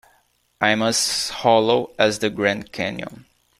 I'm as hollow as the Grand Canyon.